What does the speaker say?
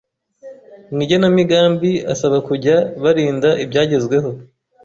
mu igenamigmbi asaba kujya barinda ibyagezweho